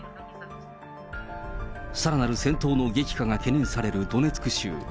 さらなる戦闘の激化が懸念されるドネツク州。